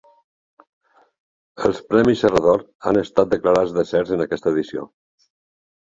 Els premis Serra d'Or han estat declarats deserts en aquesta edició